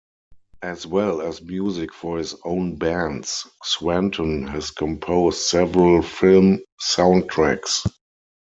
As well as music for his own bands, Swanton has composed several film soundtracks.